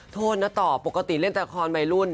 โทษนะต่อปกติเล่นละครวัยรุ่น